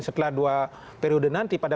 setelah dua periode nanti pada